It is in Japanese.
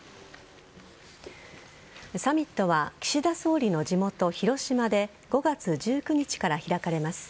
サミットは岸田総理の地元・広島で５月１９日から開かれます。